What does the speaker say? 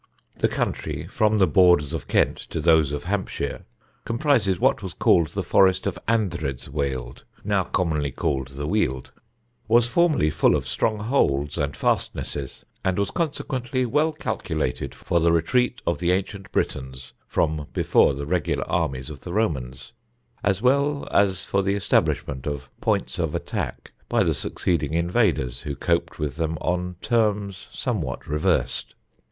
The country, from the borders of Kent to those of Hampshire, comprises what was called the Forest of Andredsweald, now commonly called the Weald, was formerly full of strong holds and fastnesses, and was consequently well calculated for the retreat of the ancient Britons from before the regular armies of the Romans, as well as for the establishment of points of attack by the succeeding invaders who coped with them on terms somewhat reversed.